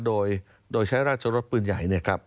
โดยใช้ราชโรศปืนใหญ่